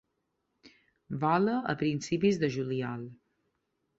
Vola a principis de juliol.